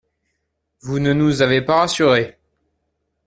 Vous ne nous avez pas rassurés.